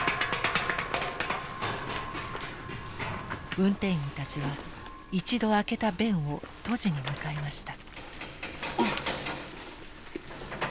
運転員たちは一度開けた弁を閉じに向かいました。